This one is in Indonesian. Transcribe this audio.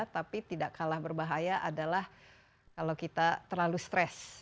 tapi tidak kalah berbahaya adalah kalau kita terlalu stres